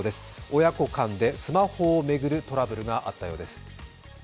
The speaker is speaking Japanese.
親子間でスマホを巡るトラブルがあったようです。